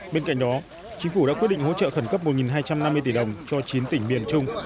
bên cạnh đó chính phủ đã quyết định hỗ trợ khẩn cấp một hai trăm năm mươi tỷ đồng cho chín tỉnh miền trung